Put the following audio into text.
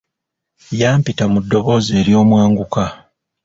Yampita mu ddoboozi eryomwanguka.